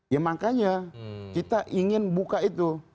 ya makanya kita ingin buka itu